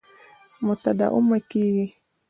متداومه کېږي.